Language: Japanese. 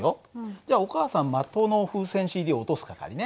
じゃあお母さん的の風船ＣＤ落とす係ね。